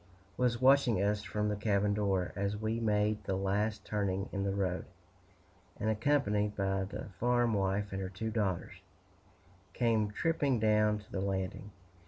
W was watching us from the cabin door, as we made the last turning in the road, and, accompanied by the farm wife and her two daughters, came tripping down to the landing.